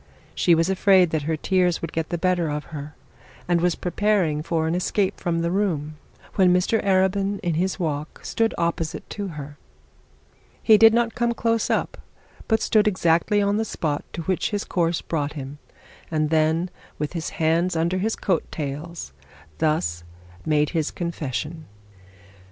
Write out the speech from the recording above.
She was afraid that her tears would get the better of her, and was preparing for an escape from the room, when Mr Arabin in his walk stood opposite to her. He did not come close up, but stood exactly on the spot to which his course brought him, and then, with his hands under his coat tails, thus made a confession.